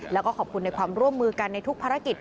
แล้วก็ขอบคุณในความร่วมมือกันในทุกภารกิจ